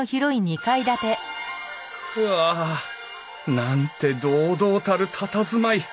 うわなんて堂々たるたたずまい。